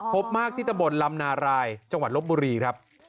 พบมากที่ตะบนลำนารายจังหวัดลบบุรีครับ